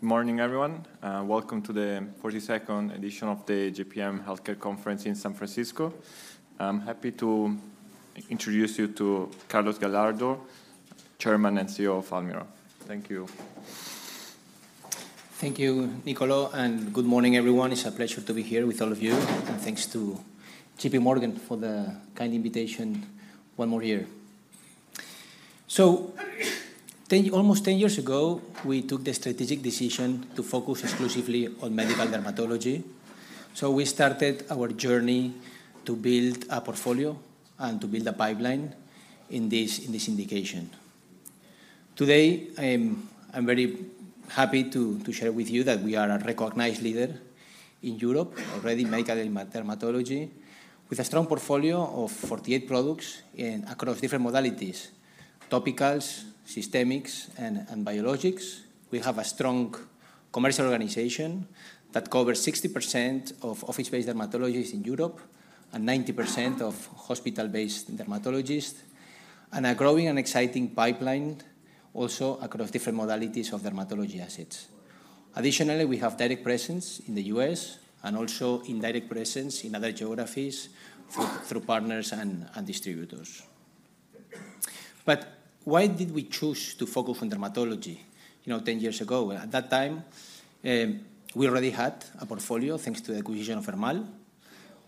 Good morning, everyone. Welcome to the 42nd edition of the JPM Healthcare Conference in San Francisco. I'm happy to introduce you to Carlos Gallardo, Chairman and CEO of Almirall. Thank you. Thank you, Niccolò, and good morning, everyone. It's a pleasure to be here with all of you, and thanks to J.P. Morgan for the kind invitation one more year. So, 10, almost 10 years ago, we took the strategic decision to focus exclusively on medical dermatology. So we started our journey to build a portfolio and to build a pipeline in this indication. Today, I'm very happy to share with you that we are a recognized leader in Europe, already medical dermatology, with a strong portfolio of 48 products across different modalities: topicals, systemics, and biologics. We have a strong commercial organization that covers 60% of office-based dermatologists in Europe and 90% of hospital-based dermatologists, and a growing and exciting pipeline, also across different modalities of dermatology assets. Additionally, we have direct presence in the U.S. and also indirect presence in other geographies through, through partners and, and distributors. But why did we choose to focus on dermatology, you know, 10 years ago? At that time, we already had a portfolio, thanks to the acquisition of Hermal.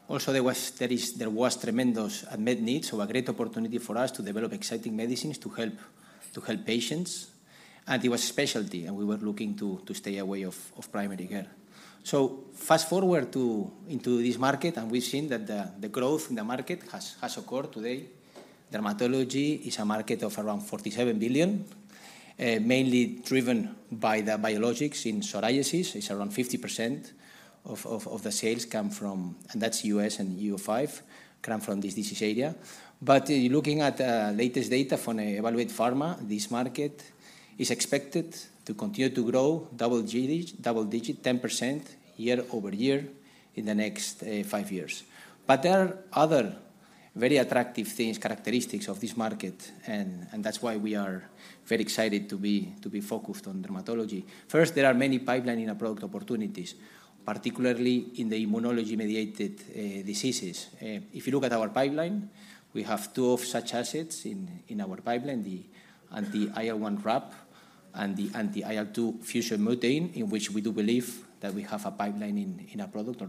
Also, there was tremendous unmet needs, so a great opportunity for us to develop exciting medicines to help, to help patients. And it was specialty, and we were looking to, to stay away of, of primary care. So fast-forward into this market, and we've seen that the growth in the market has occurred today. Dermatology is a market of around $47 billion, mainly driven by the biologics in psoriasis. It's around 50% of the sales come from... And that's U.S. and EU5, come from this disease area. But looking at latest data from EvaluatePharma, this market is expected to continue to grow double-digit, 10% year-over-year in the next five years. There are other very attractive things, characteristics of this market, and that's why we are very excited to be focused on dermatology. First, there are many pipeline in a product opportunities, particularly in the immune-mediated diseases. If you look at our pipeline, we have two of such assets in our pipeline, the anti-IL-1RAP and the anti-IL-2 fusion mutein, in which we do believe that we have a pipeline in our product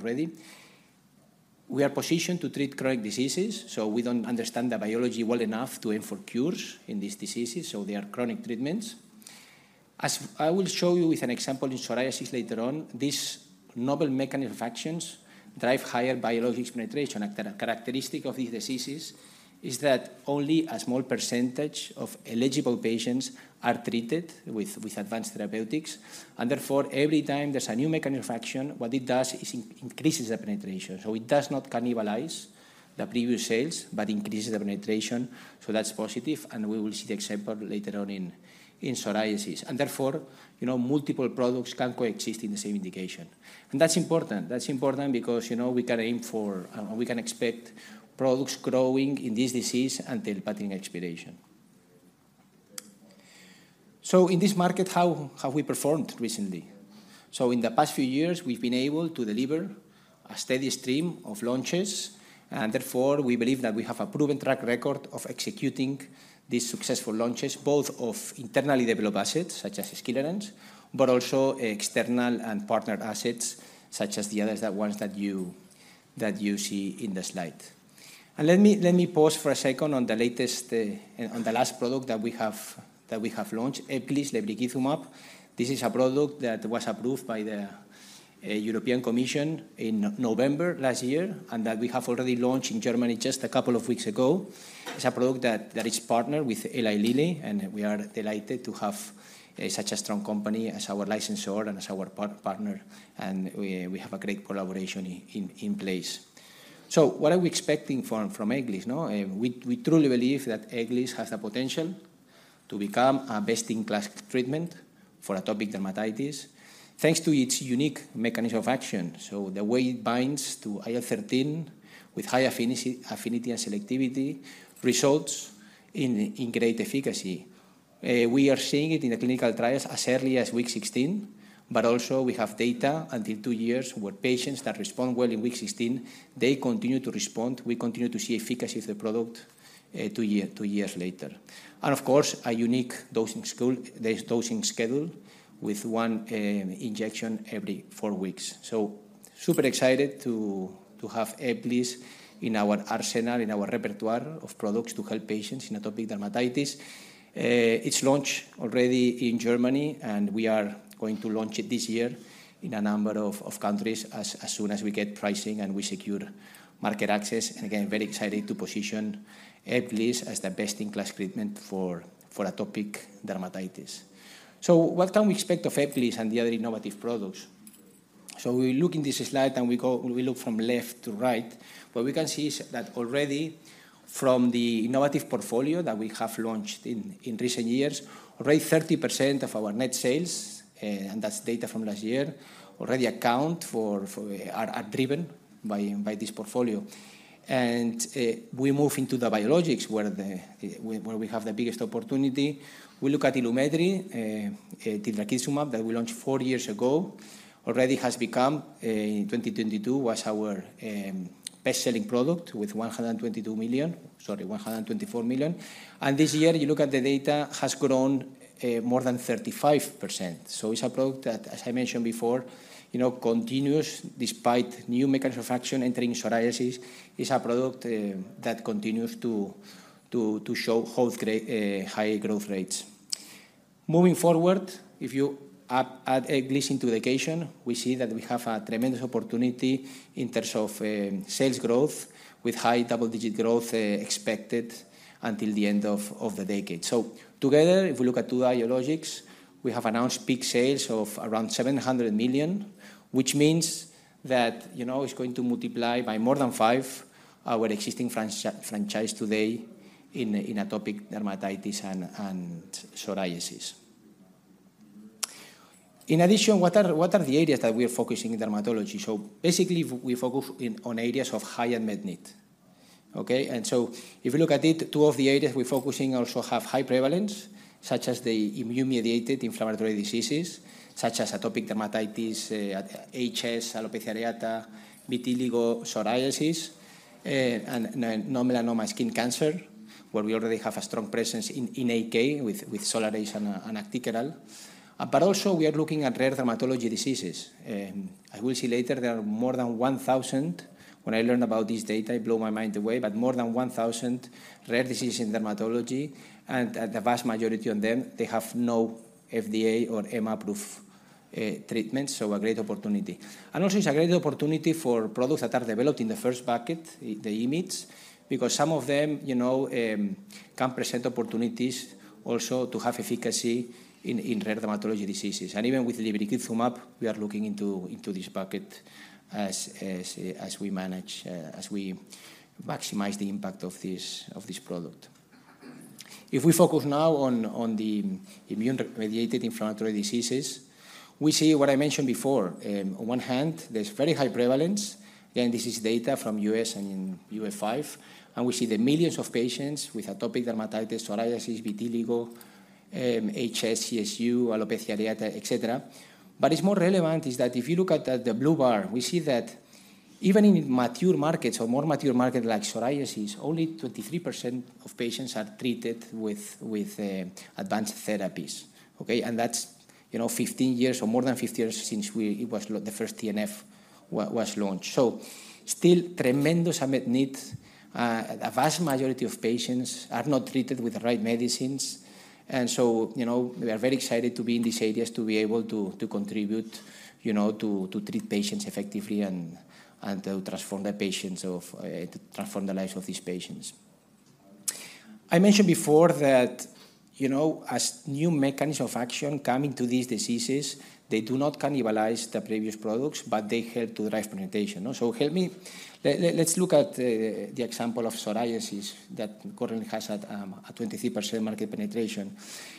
already. We are positioned to treat chronic diseases, so we don't understand the biology well enough to aim for cures in these diseases, so they are chronic treatments. As I will show you with an example in psoriasis later on, these novel mechanism of actions drive higher biologics penetration. A characteristic of these diseases is that only a small percentage of eligible patients are treated with advanced therapeutics, and therefore, every time there's a new mechanism of action, what it does is increases the penetration. So it does not cannibalize the previous sales, but increases the penetration. So that's positive, and we will see the example later on in psoriasis. And therefore, you know, multiple products can coexist in the same indication. And that's important. That's important because, you know, we can aim for, we can expect products growing in this disease until patent expiration. So in this market, how have we performed recently? So in the past few years, we've been able to deliver a steady stream of launches, and therefore, we believe that we have a proven track record of executing these successful launches, both of internally developed assets, such as Skilarence, but also external and partnered assets, such as the others, the ones that you, that you see in the slide. And let me, let me pause for a second on the latest, on the last product that we have, that we have launched, EBGLYSS, lebrikizumab. This is a product that was approved by the European Commission in November last year, and that we have already launched in Germany just a couple of weeks ago. It's a product that is partnered with Eli Lilly, and we are delighted to have such a strong company as our licensor and as our partner, and we have a great collaboration in place. So what are we expecting from EBGLYSS, no? We truly believe that EBGLYSS has the potential to become a best-in-class treatment for atopic dermatitis, thanks to its unique mechanism of action. So the way it binds to IL-13 with high affinity and selectivity results in great efficacy. We are seeing it in the clinical trials as early as week 16, but also we have data until two years, where patients that respond well in week 16, they continue to respond. We continue to see efficacy of the product two years later. Of course, a unique dosing schedule with one injection every four weeks. Super excited to have EBGLYSS in our arsenal, in our repertoire of products to help patients in atopic dermatitis. It's launched already in Germany, and we are going to launch it this year in a number of countries as soon as we get pricing and we secure market access. Again, very excited to position EBGLYSS as the best-in-class treatment for atopic dermatitis. What can we expect of EBGLYSS and the other innovative products? We look in this slide and we look from left to right. What we can see is that already from the innovative portfolio that we have launched in recent years, already 30% of our net sales, and that's data from last year, already account for... Are driven by this portfolio. And we move into the biologics, where we have the biggest opportunity. We look at Ilumetri, tildrakizumab, that we launched four years ago, already has become in 2022 was our best-selling product with 122 million, sorry, 124 million. And this year, you look at the data, has grown more than 35%. So it's a product that, as I mentioned before, you know, continues despite new mechanism of action entering psoriasis, is a product that continues to show how great high growth rates. Moving forward, if you add EBGLYSS to the equation, we see that we have a tremendous opportunity in terms of sales growth, with high double-digit growth expected until the end of the decade. So together, if we look at two biologics, we have announced peak sales of around 700 million, which means that, you know, it's going to multiply by more than five our existing franchise today in atopic dermatitis and psoriasis. In addition, what are the areas that we are focusing in dermatology? So basically, we focus on areas of high unmet need. Okay? And so if you look at it, two of the areas we're focusing also have high prevalence, such as the immune-mediated inflammatory diseases, such as atopic dermatitis, HS, alopecia areata, vitiligo, psoriasis, and non-melanoma skin cancer, where we already have a strong presence in AK with Solaraze and Actikerall. But also, we are looking at rare dermatology diseases, and as we'll see later, there are more than 1,000. When I learned about this data, it blew my mind away, but more than 1,000 rare diseases in dermatology, and the vast majority of them, they have no FDA- or EMA-approved treatment, so a great opportunity. And also, it's a great opportunity for products that are developed in the first bucket, the IMiDs, because some of them, you know, can present opportunities also to have efficacy in rare dermatology diseases. And even with the lebrikizumab, we are looking into this bucket as we manage, as we maximize the impact of this product. If we focus now on the immune-mediated inflammatory diseases, we see what I mentioned before. On one hand, there's very high prevalence, and this is data from U.S. and in EU5, and we see the millions of patients with atopic dermatitis, psoriasis, vitiligo, HS, CSU, alopecia areata, et cetera. But it's more relevant is that if you look at the, the blue bar, we see that even in mature markets or more mature market like psoriasis, only 23% of patients are treated with, with, advanced therapies. Okay, and that's, you know, 15 years or more than 50 years since it was the first TNF was launched. So still, tremendous unmet need. A vast majority of patients are not treated with the right medicines, and so, you know, we are very excited to be in these areas, to be able to, to contribute, you know, to, to treat patients effectively and, and to transform the patients of, to transform the lives of these patients. I mentioned before that, you know, as new mechanisms of action come into these diseases, they do not cannibalize the previous products, but they help to drive penetration, no? Let's look at the example of psoriasis that currently has a 23% market penetration.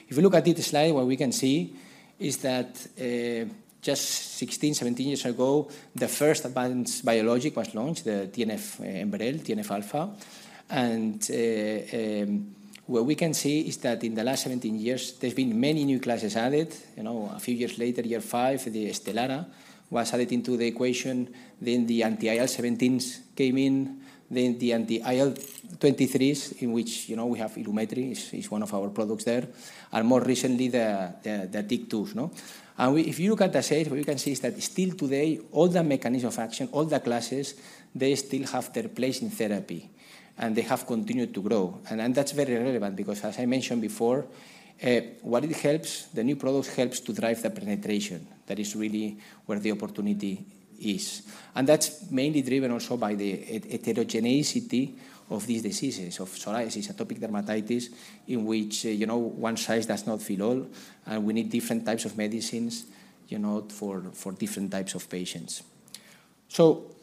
If you look at this slide, what we can see is that, just 16, 17 years ago, the first advanced biologic was launched, the TNF Enbrel, TNF-alpha. What we can see is that in the last 17 years, there's been many new classes added. You know, a few years later, year five, the Stelara was added into the equation, then the anti-IL-17s came in, then the anti-IL-23s, in which, you know, we have Ilumetri, is, is one of our products there, and more recently, the TYK2s, no? And if you look at the sales, what you can see is that still today, all the mechanism of action, all the classes, they still have their place in therapy, and they have continued to grow. And that's very relevant because, as I mentioned before, what it helps, the new products helps to drive the penetration. That is really where the opportunity is. And that's mainly driven also by the heterogeneity of these diseases, of psoriasis, atopic dermatitis, in which, you know, one size does not fit all, and we need different types of medicines, you know, for, for different types of patients. So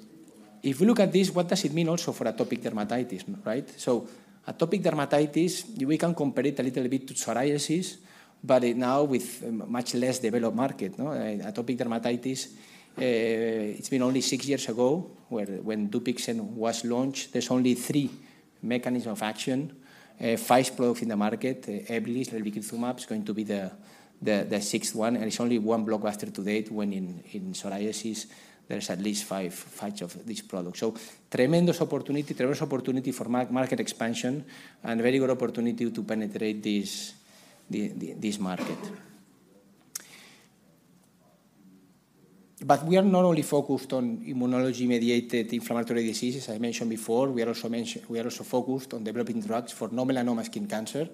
if you look at this, what does it mean also for atopic dermatitis, right? So atopic dermatitis, we can compare it a little bit to psoriasis, but it now with much less developed market, no? Atopic dermatitis, it's been only six years ago, when Dupixent was launched. There's only three mechanism of action, five products in the market. EBGLYSS, lebrikizumab, is going to be the, the, the sixth one, and it's only one blockbuster to date, when in, in psoriasis, there's at least five, five of these products. So tremendous opportunity, tremendous opportunity for market expansion and very good opportunity to penetrate this, this market. But we are not only focused on immune-mediated inflammatory diseases. I mentioned before, we are also focused on developing drugs for non-melanoma skin cancer.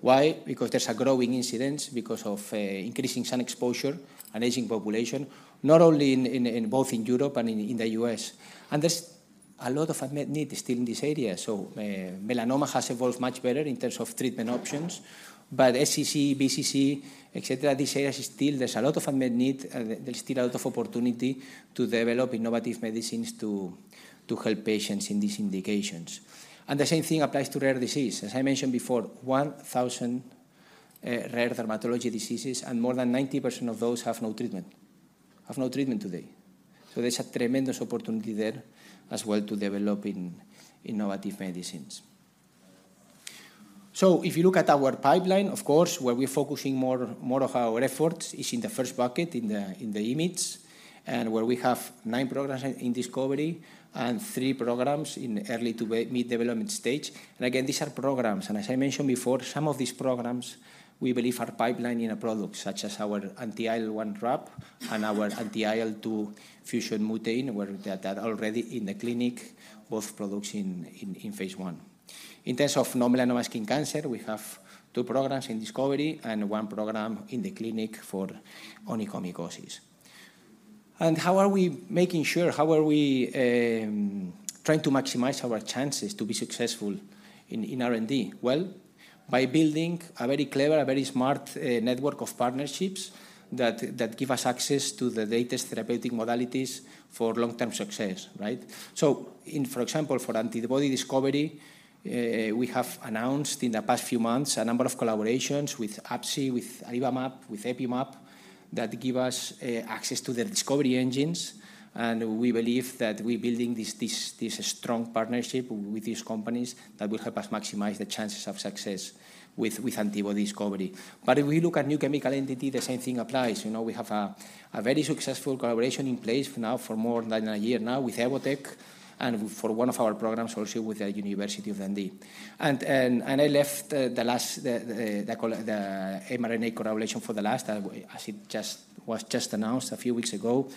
Why? Because there's a growing incidence because of increasing sun exposure and aging population, not only in both Europe and the U.S. And there's a lot of unmet need still in this area. So, melanoma has evolved much better in terms of treatment options, but SCC, BCC, et cetera, these areas still, there's a lot of unmet need, there's still a lot of opportunity to develop innovative medicines to help patients in these indications. And the same thing applies to rare disease. As I mentioned before, 1,000 rare dermatology diseases, and more than 90% of those have no treatment, have no treatment today. So there's a tremendous opportunity there as well to develop innovative medicines. So if you look at our pipeline, of course, where we're focusing more, more of our efforts is in the first bucket, in the, in IMiDs, and where we have nine programs in discovery and three programs in early to mid-development stage. And again, these are programs, and as I mentioned before, some of these programs we believe are pipelining a product, such as our anti-IL-1RAP and our anti-IL-2 fusion mutein, where that are already in the clinic, both products in phase I. In terms of non-melanoma skin cancer, we have two programs in discovery and one program in the clinic for onychomycosis. And how are we making sure, how are we, trying to maximize our chances to be successful in, in R&D? Well, by building a very clever, a very smart, network of partnerships that, that give us access to the latest therapeutic modalities for long-term success, right? So in, for example, for antibody discovery, we have announced in the past few months a number of collaborations with Absci, with [AbCellera], with EpimAb, that give us, access to the discovery engines. And we believe that we're building this, this, this strong partnership with these companies that will help us maximize the chances of success with, with antibody discovery. But if we look at new chemical entity, the same thing applies. You know, we have a very successful collaboration in place now for more than a year now with Evotec, and for one of our programs also with the University of Dundee. And I left the mRNA collaboration for the last, as it was just announced a few weeks ago.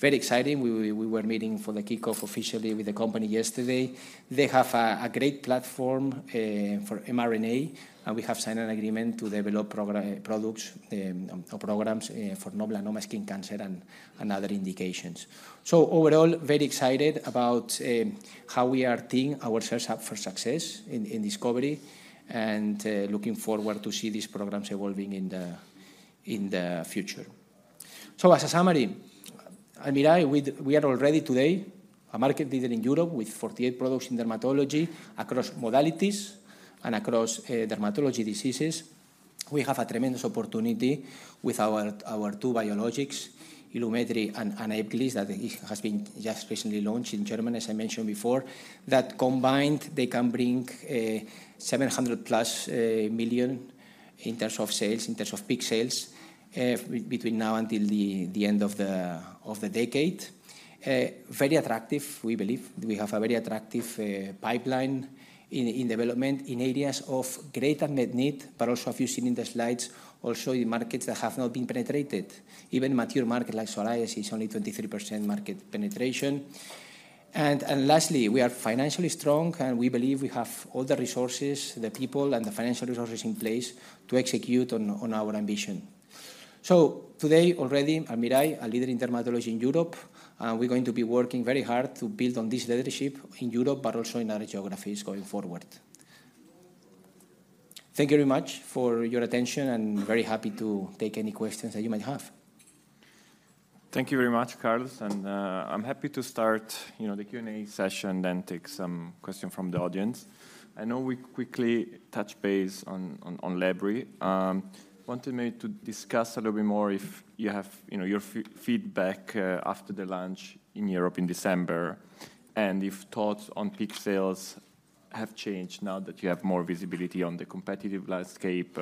Very exciting. We were meeting for the kickoff officially with the company yesterday. They have a great platform for mRNA, and we have signed an agreement to develop products or programs for non-melanoma skin cancer and other indications. So overall, very excited about how we are tying ourself up for success in discovery, and looking forward to see these programs evolving in the future. As a summary, at Almirall, we are already today a market leader in Europe with 48 products in dermatology across modalities and across dermatology diseases. We have a tremendous opportunity with our two biologics, Ilumetri and EBGLYSS, that has been just recently launched in Germany, as I mentioned before. That combined, they can bring 700+ million in terms of sales, in terms of peak sales, between now until the end of the decade. Very attractive, we believe. We have a very attractive pipeline in development in areas of greater unmet need, but also if you've seen in the slides, also in markets that have not been penetrated. Even mature market like psoriasis is only 23% market penetration. Lastly, we are financially strong, and we believe we have all the resources, the people, and the financial resources in place to execute on our ambition. Today, already, at Almirall, a leader in dermatology in Europe, and we're going to be working very hard to build on this leadership in Europe, but also in other geographies going forward. Thank you very much for your attention, and very happy to take any questions that you might have. Thank you very much, Carlos, and I'm happy to start the Q&A session, then take some questions from the audience. I know we quickly touch base on lebri. Wanted me to discuss a little bit more if you have your feedback after the launch in Europe in December, and if thoughts on peak sales have changed now that you have more visibility on the competitive landscape,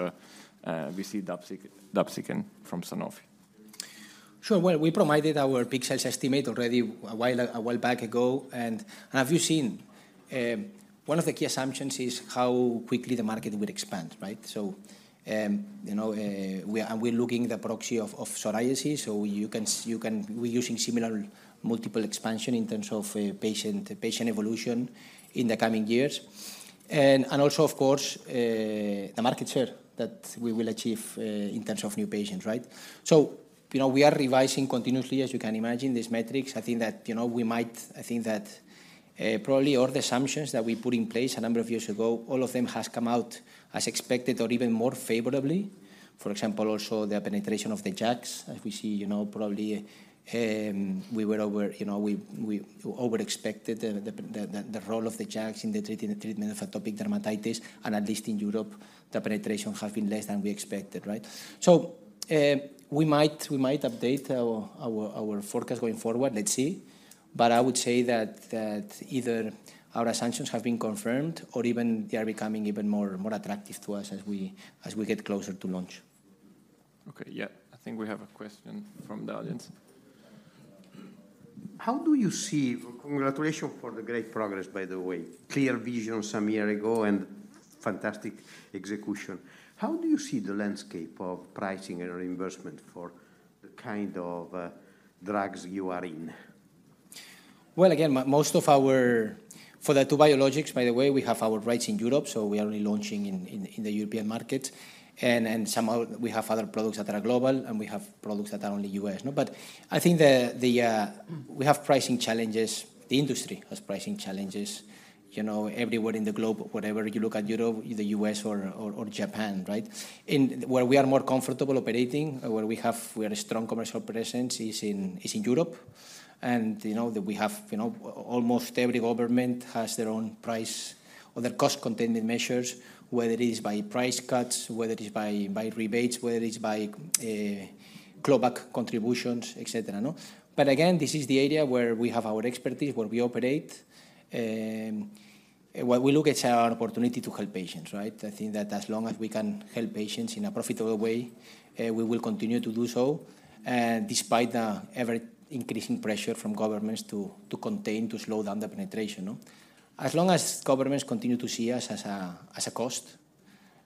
we see Dupixent from Sanofi. Sure. Well, we provided our peak sales estimate already a while back ago, and have you seen, one of the key assumptions is how quickly the market will expand, right? So, you know, we are, we're looking the proxy of psoriasis, so you can-- we're using similar multiple expansion in terms of patient evolution in the coming years. And also, of course, the market share that we will achieve in terms of new patients, right? So, you know, we are revising continuously, as you can imagine, these metrics. I think that, you know, we might. I think that, probably all the assumptions that we put in place a number of years ago, all of them has come out as expected or even more favorably. For example, also, the penetration of the JAKs, as we see, you know, probably we over expected the role of the JAKs in the treatment of atopic dermatitis, and at least in Europe, the penetration has been less than we expected, right? So, we might update our forecast going forward. Let's see. But I would say that either our assumptions have been confirmed or even they are becoming even more attractive to us as we get closer to launch. Okay. Yeah, I think we have a question from the audience. How do you see, Congratulations for the great progress, by the way. Clear vision some year ago and fantastic execution. How do you see the landscape of pricing and reimbursement for the kind of drugs you are in? Well, again, most of our, for the two biologics, by the way, we have our rights in Europe, so we are only launching in the European market. And some of, we have other products that are global, and we have products that are only U.S., no? But I think we have pricing challenges. The industry has pricing challenges, you know, everywhere in the globe, wherever you look at Europe, the U.S. or Japan, right? In where we are more comfortable operating, where we have where a strong commercial presence is in Europe. And, you know, that we have, you know, almost every government has their own price or their cost-containing measures, whether it is by price cuts, whether it is by rebates, whether it's by clawback contributions, et cetera, no? Again, this is the area where we have our expertise, where we operate. Well, we look at our opportunity to help patients, right? I think that as long as we can help patients in a profitable way, we will continue to do so. Despite the ever-increasing pressure from governments to contain, to slow down the penetration, no? As long as governments continue to see us as a cost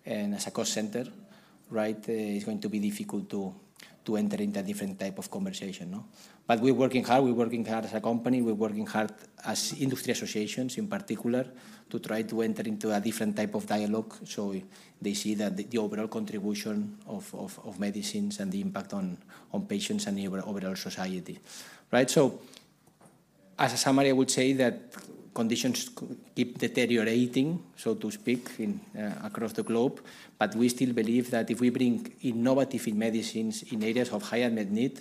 and as a cost center, right, it's going to be difficult to enter into a different type of conversation, no? We're working hard. We're working hard as a company. We're working hard as industry associations, in particular, to try to enter into a different type of dialogue, so they see that the overall contribution of medicines and the impact on patients and the overall society. Right, so as a summary, I would say that conditions keep deteriorating, so to speak, in across the globe, but we still believe that if we bring innovative medicines in areas of higher med need,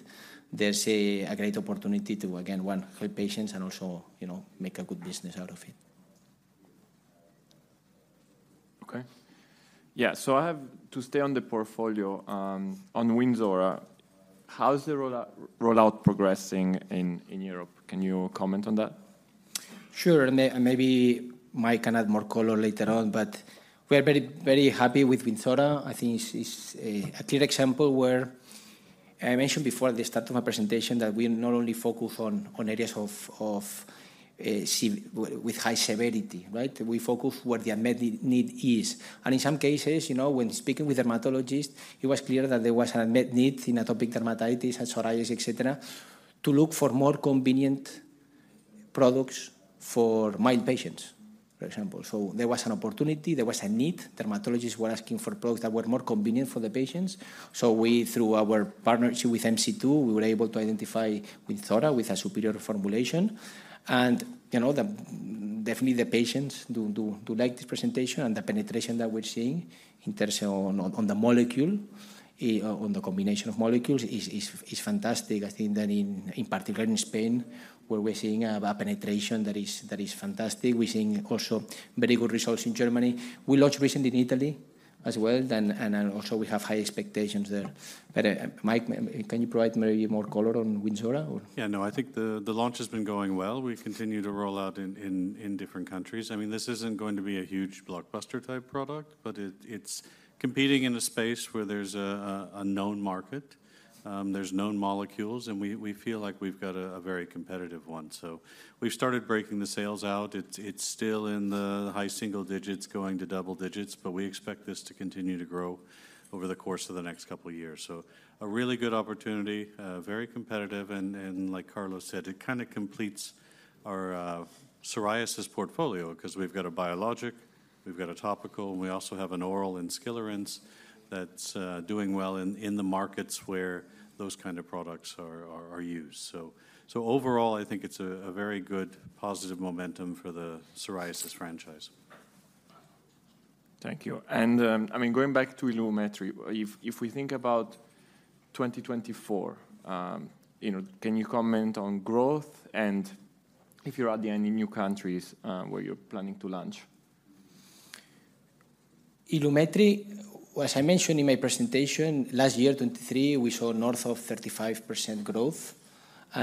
there's a great opportunity to, again, one, help patients and also, you know, make a good business out of it. Okay. Yeah, so I have to stay on the portfolio, on Wynzora. How is the rollout progressing in Europe? Can you comment on that? Sure, and maybe Mike can add more color later on, but we are very, very happy with Wynzora. I think it's, it's a clear example where, I mentioned before at the start of my presentation that we not only focus on areas of with high severity, right? We focus where the unmet need is. And in some cases, you know, when speaking with dermatologists, it was clear that there was an unmet need in atopic dermatitis and psoriasis, et cetera, to look for more convenient products for mild patients, for example. So there was an opportunity, there was a need. Dermatologists were asking for products that were more convenient for the patients. So we, through our partnership with MC2, we were able to identify Wynzora with a superior formulation. You know, definitely, the patients do like this presentation, and the penetration that we're seeing in terms of on the molecule, on the combination of molecules is fantastic. I think that in particular in Spain, where we're seeing a penetration that is fantastic. We're seeing also very good results in Germany. We launched recently in Italy as well, and also we have high expectations there. But, Mike, can you provide maybe more color on Wynzora, or? Yeah, no, I think the launch has been going well. We've continued to roll out in different countries. I mean, this isn't going to be a huge blockbuster-type product, but it's competing in a space where there's a known market, there's known molecules, and we feel like we've got a very competitive one. So we've started breaking the sales out. It's still in the high single digits, going to double digits, but we expect this to continue to grow over the course of the next couple of years. So a really good opportunity, very competitive, and like Carlos said, it kinda completes our psoriasis portfolio. 'Cause we've got a biologic, we've got a topical, and we also have an oral in Skilarence that's doing well in the markets where those kind of products are used. So overall, I think it's a very good, positive momentum for the psoriasis franchise. Thank you. And, I mean, going back to Ilumetri, if we think about 2024, you know, can you comment on growth, and if you're adding any new countries where you're planning to launch? Ilumetri, as I mentioned in my presentation, last year, 2023, we saw north of 35% growth.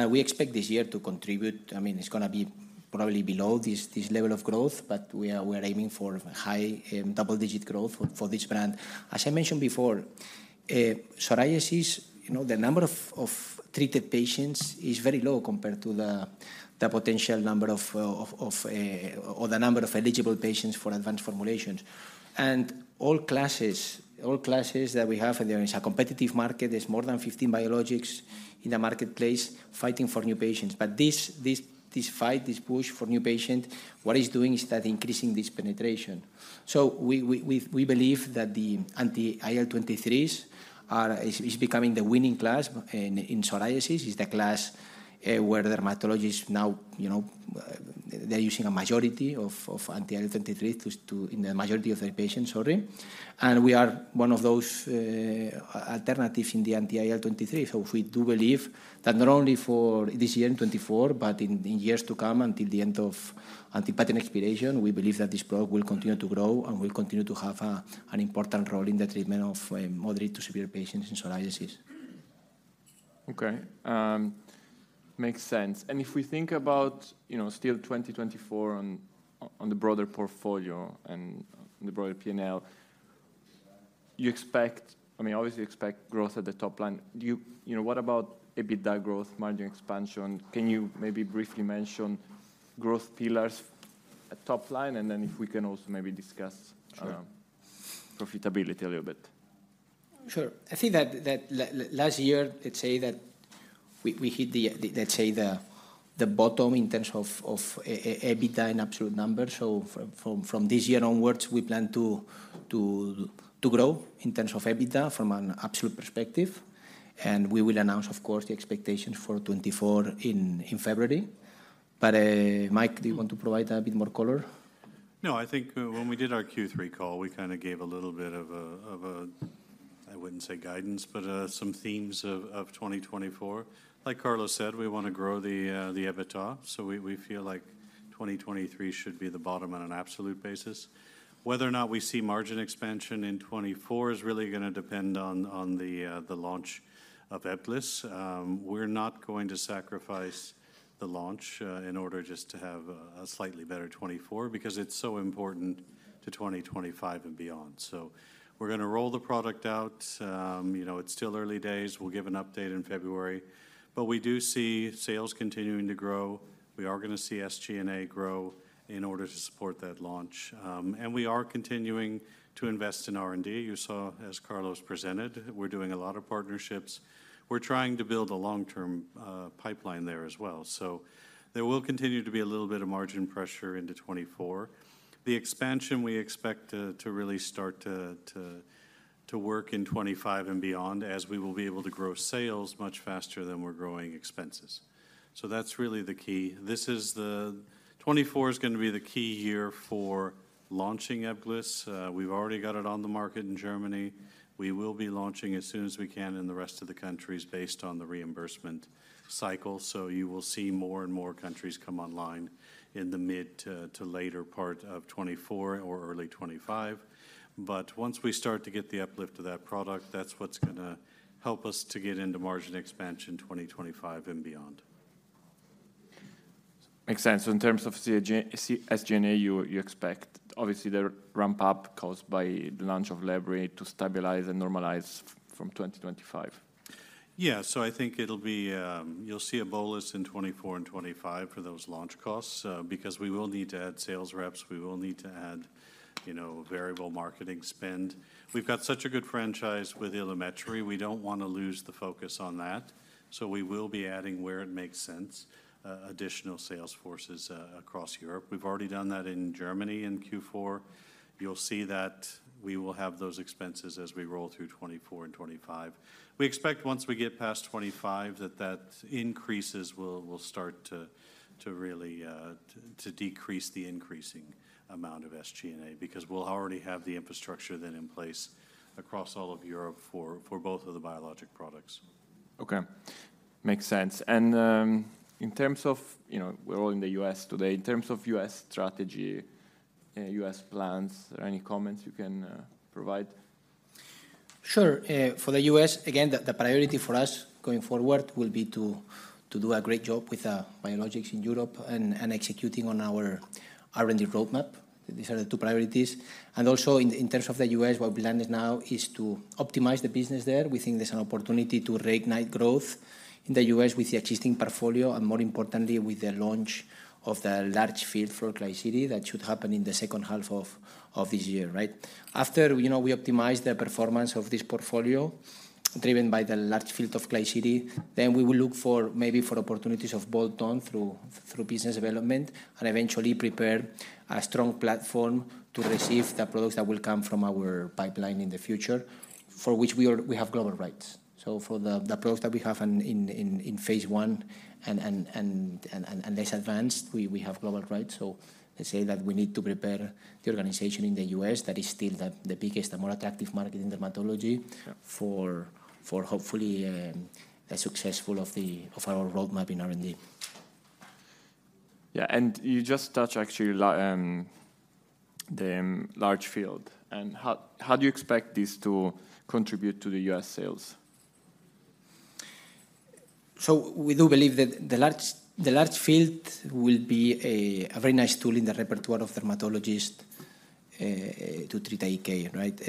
We expect this year to contribute—I mean, it's gonna be probably below this level of growth, but we are, we're aiming for high double-digit growth for this brand. As I mentioned before, psoriasis, you know, the number of treated patients is very low compared to the potential number of or the number of eligible patients for advanced formulations. And all classes that we have, and it's a competitive market. There's more than 15 biologics in the marketplace fighting for new patients. But this fight, this push for new patients, what it's doing is that increasing this penetration. So we believe that the anti-IL-23s are becoming the winning class in psoriasis. It's the class where dermatologists now, you know, they're using a majority of anti-IL-23 in the majority of their patients, sorry. And we are one of those alternative in the anti-IL-23. So we do believe that not only for this year, in 2024, but in years to come, until the end of patent expiration, we believe that this product will continue to grow and will continue to have an important role in the treatment of moderate to severe patients in psoriasis. Okay, makes sense. And if we think about, you know, still 2024 on, on the broader portfolio and the broader P&L, you expect—I mean, obviously, you expect growth at the top line. Do you, you know, what about EBITDA growth, margin expansion? Can you maybe briefly mention growth pillars at top line, and then if we can also maybe discuss- Sure... profitability a little bit? Sure. I think that last year, let's say that we hit the bottom in terms of EBITDA in absolute numbers. So from this year onwards, we plan to grow in terms of EBITDA from an absolute perspective, and we will announce, of course, the expectations for 2024 in February. But Mike, do you want to provide a bit more color? No, I think when we did our Q3 call, we kinda gave a little bit of a, I wouldn't say guidance, but some themes of 2024. Like Carlos said, we want to grow the EBITDA, so we feel like 2023 should be the bottom on an absolute basis. Whether or not we see margin expansion in 2024 is really gonna depend on the launch of EBGLYSS. We're not going to sacrifice the launch in order just to have a slightly better 2024, because it's so important to 2025 and beyond. So we're gonna roll the product out. You know, it's still early days. We'll give an update in February, but we do see sales continuing to grow. We are gonna see SG&A grow in order to support that launch. And we are continuing to invest in R&D. You saw, as Carlos presented, we're doing a lot of partnerships. We're trying to build a long-term pipeline there as well. So there will continue to be a little bit of margin pressure into 2024. The expansion, we expect, to really start to work in 2025 and beyond, as we will be able to grow sales much faster than we're growing expenses. So that's really the key. 2024 is gonna be the key year for launching EBGLYSS. We've already got it on the market in Germany. We will be launching as soon as we can in the rest of the countries, based on the reimbursement cycle. So you will see more and more countries come online in the mid to later part of 2024 or early 2025. But once we start to get the uplift of that product, that's what's gonna help us to get into margin expansion 2025 and beyond. Makes sense. So in terms of COGS, SG&A, you expect obviously the ramp-up caused by the launch of EBGLYSS to stabilize and normalize from 2025? Yeah. So I think it'll be. You'll see a bolus in 2024 and 2025 for those launch costs, because we will need to add sales reps, we will need to add, you know, variable marketing spend. We've got such a good franchise with Ilumetri. We don't want to lose the focus on that, so we will be adding, where it makes sense, additional sales forces, across Europe. We've already done that in Germany in Q4. You'll see that we will have those expenses as we roll through 2024 and 2025. We expect once we get past 2025, that that increases, we'll, we'll start to, to really, to, to decrease the increasing amount of SG&A, because we'll already have the infrastructure then in place across all of Europe for, for both of the biologic products. Okay. Makes sense. And, in terms of... You know, we're all in the U.S. today. In terms of U.S. strategy, U.S. plans, are there any comments you can provide? Sure. For the U.S., again, the priority for us going forward will be to do a great job with biologics in Europe and executing on our R&D roadmap. These are the two priorities. And also, in terms of the U.S., what we plan now is to optimize the business there. We think there's an opportunity to reignite growth in the U.S. with the existing portfolio, and more importantly, with the launch of the large field for Klisyri. That should happen in the second half of this year, right? After, you know, we optimize the performance of this portfolio, driven by the large field of Klisyri, then we will look for, maybe for opportunities of bolt-on through business development, and eventually prepare a strong platform to receive the products that will come from our pipeline in the future, for which we have global rights. So for the products that we have in phase one and less advanced, we have global rights. So let's say that we need to prepare the organization in the U.S., that is still the biggest and more attractive market in dermatology- Sure... for hopefully a successful of our roadmap in R&D. Yeah, and you just touched actually, the large field. And how do you expect this to contribute to the U.S. sales? So we do believe that the large, the large field will be a, a very nice tool in the repertoire of dermatologists to treat AK, right?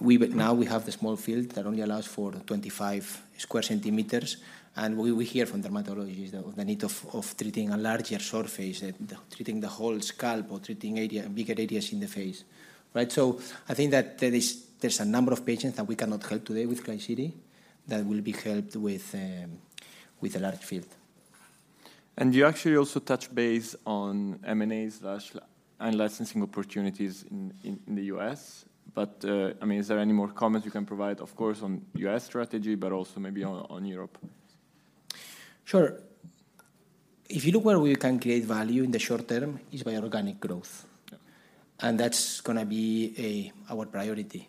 But now we have the small field that only allows for 25 sq cm, and we hear from dermatologists the need of treating a larger surface, treating the whole scalp or treating area- bigger areas in the face, right? So I think that there is- there's a number of patients that we cannot help today with Klisyri, that will be helped with the large field. You actually also touched base on M&A and licensing opportunities in the U.S. But, I mean, is there any more comments you can provide, of course, on U.S. strategy, but also maybe on Europe? Sure. If you look where we can create value in the short term, it's by organic growth. Yeah. That's gonna be our priority.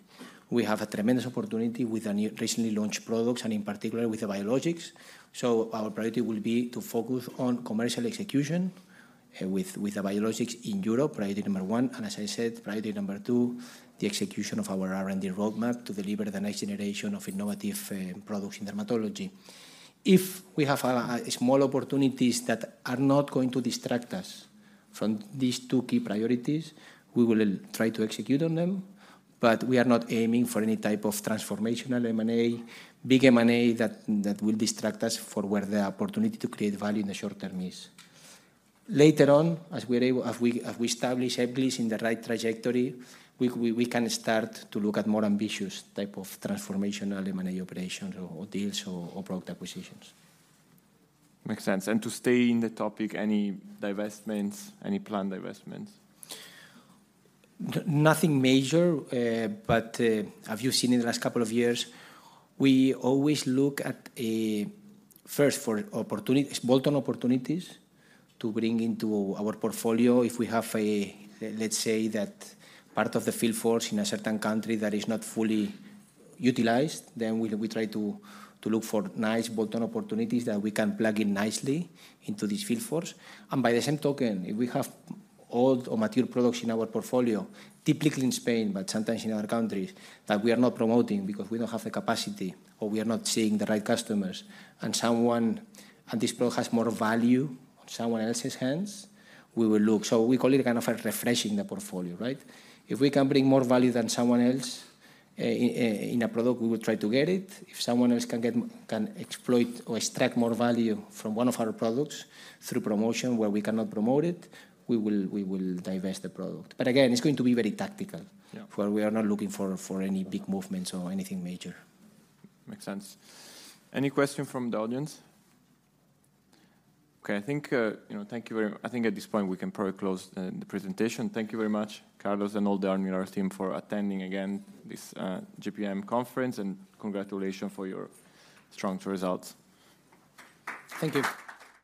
We have a tremendous opportunity with our new recently launched products, and in particular with the biologics. Our priority will be to focus on commercial execution with the biologics in Europe, priority number one, and as I said, priority number two, the execution of our R&D roadmap to deliver the next generation of innovative products in dermatology. If we have small opportunities that are not going to distract us from these two key priorities, we will try to execute on them, but we are not aiming for any type of transformational M&A, big M&A, that will distract us for where the opportunity to create value in the short term is. Later on, as we establish EBGLYSS in the right trajectory, we can start to look at more ambitious type of transformational M&A operations or deals or product acquisitions. Makes sense. To stay in the topic, any divestments, any planned divestments? Nothing major, but as you've seen in the last couple of years, we always look at first for opportunities, bolt-on opportunities, to bring into our portfolio. If we have a, let's say that part of the field force in a certain country that is not fully utilized, then we try to look for nice bolt-on opportunities that we can plug in nicely into this field force. And by the same token, if we have old or mature products in our portfolio, typically in Spain, but sometimes in other countries, that we are not promoting because we don't have the capacity or we are not seeing the right customers, and someone and this product has more value on someone else's hands, we will look. So we call it kind of a refreshing the portfolio, right? If we can bring more value than someone else in a product, we will try to get it. If someone else can exploit or extract more value from one of our products through promotion, where we cannot promote it, we will divest the product. But again, it's going to be very tactical- Yeah... for we are not looking for any big movements or anything major. Makes sense. Any question from the audience? Okay, I think, you know, thank you very, I think at this point, we can probably close the presentation. Thank you very much, Carlos, and all the Almirall team, for attending again this JPM Conference, and congratulations for your strong results. Thank you.